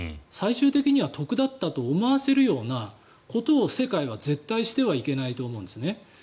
最終的には特だったと思わせるようなことを世界は絶対してはいけないと思うんですね。